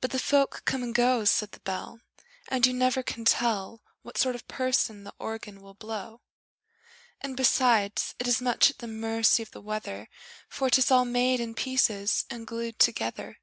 But the folk come and go, Said the Bell, And you never can tell What sort of person the Organ will blow! And, besides, it is much at the mercy of the weather For 'tis all made in pieces and glued together!